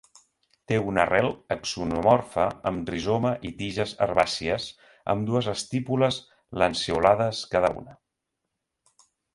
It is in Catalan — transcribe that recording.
Té una arrel axonomorfa amb rizoma i tiges herbàcies amb dues estípules lanceolades cada una.